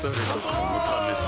このためさ